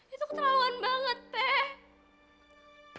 itu keterlaluan banget peh